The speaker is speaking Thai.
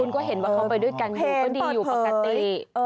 คุณก็เห็นว่าเขาไปด้วยกันอยู่ก็ดีอยู่ปกติ